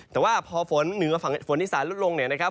แต่ว่าพอฝนเหนือฝนอีสานลดลงเนี่ยนะครับ